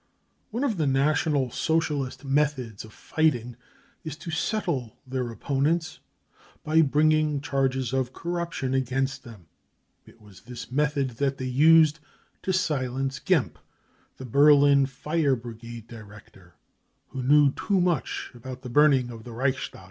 One of the National < Socialist methods of fighting is to 44 settle 53 their opponents by bringing charges of corruption against them. It was this method that they used to silence Gempp, the Berlin fire brigade director, who knew too much about the burn ing of the Reichstag.